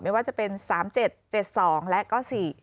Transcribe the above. ไม่ว่าจะเป็น๓๗๗๒และก็๔